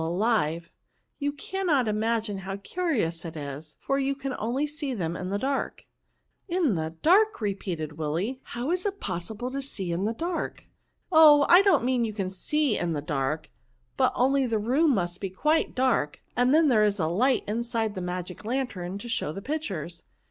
153 alive ; you caiinot imagine how curious it is, for you can see them only in the daxk. " In the dark!" repeated Willy; how is it possible to see in the dark?*' " Oh! I don't mean you can see in the darky but only the room must be quite dark ; and then there is a light inside the magic lantern to show the pictures.